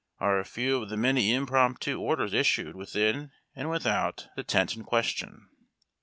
" are a few of the many impromptu orders issued within and without the tent in question.